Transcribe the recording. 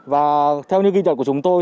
và theo như ghi nhận của chúng tôi